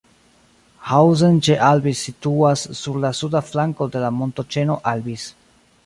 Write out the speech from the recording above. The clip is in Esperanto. Hausen ĉe Albis situas sur la suda flanko de la montoĉeno Albis.